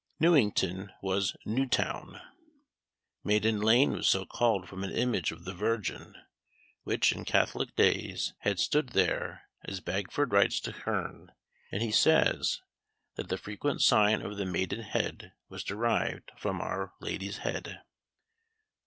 Newington was New town. Maiden lane was so called from an image of the Virgin, which, in Catholic days, had stood there, as Bagford writes to Hearne; and he says, that the frequent sign of the Maiden head was derived from "our Lady's head."